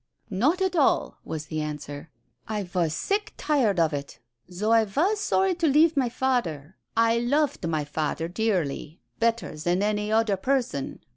"Not at all," was the answer; "I was sick tired of it, though I was sorry to leave my fader. I loved my fader dearly, better than any oder person.